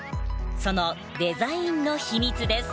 そのデザインの秘密です。